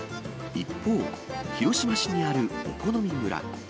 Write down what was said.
一方、広島市にあるお好み村。